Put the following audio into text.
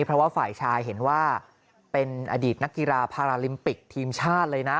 เพราะว่าฝ่ายชายเห็นว่าเป็นอดีตนักกีฬาพาราลิมปิกทีมชาติเลยนะ